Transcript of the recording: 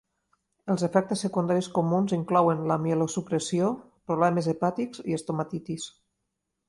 Els efectes secundaris comuns inclouen la mielosupressió, problemes hepàtics i estomatitis.